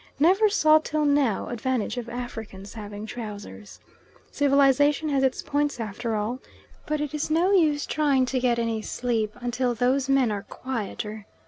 Never saw till now advantage of Africans having trousers. Civilisation has its points after all. But it is no use trying to get any sleep until those men are quieter.